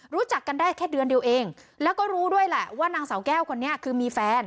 รู้จักกันได้แค่เดือนเดียวเองแล้วก็รู้ด้วยแหละว่านางสาวแก้วคนนี้คือมีแฟน